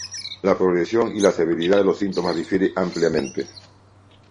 La progresión y la severidad de los síntomas difiere ampliamente.